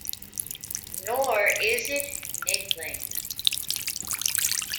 Nor is it niggling.